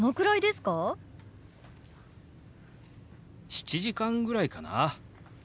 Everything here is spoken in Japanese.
７時間ぐらいかな。